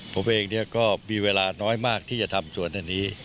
ผมเองก็มีเวลาน้อยมากที่จะทำส่วนอันนี้